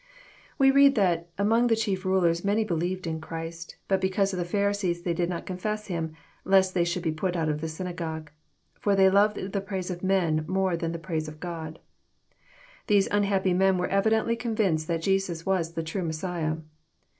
We read that ^^ among the chief rulers many believed on Christ ; but because of the Pharisees they did not confess Him, lest they should be put out of the synagogue. For they loved the praise of men more than the praise of God." These unhappy men were evidently convinced that Jesus was the true Messiah.